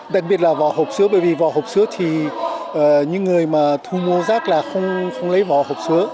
đặc biệt là vỏ hộp sữa bởi vì vỏ hộp sữa thì những người mà thu mua rác là không lấy vỏ hộp sữa